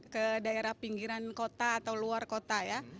ke daerah pinggiran kota atau luar kota ya